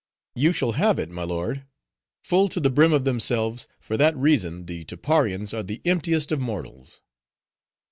"You shall have it, my lord. Full to the brim of themselves, for that reason, the Tapparians are the emptiest of mortals."